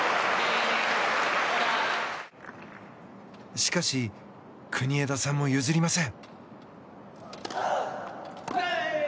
しかし、国枝さんも譲りません。